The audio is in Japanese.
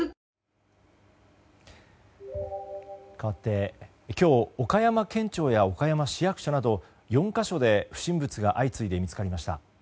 かわって今日、岡山県庁や岡山市役所など４か所で不審物が相次いで見つかりました。